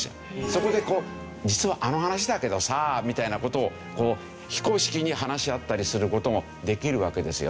そこで「実はあの話だけどさ」みたいな事を非公式に話し合ったりする事もできるわけですよね。